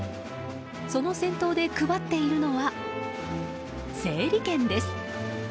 その先頭で配っているのは整理券です。